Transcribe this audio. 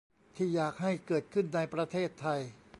ที่อยากให้เกิดขึ้นในประเทศไทย